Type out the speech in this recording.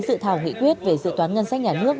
dự thảo nghị quyết về dự toán ngân sách nhà nước